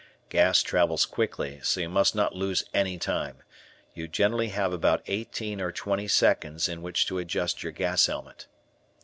Gas travels quickly, so you must not lose any time; you generally have about eighteen or twenty seconds in which to adjust your gas helmet.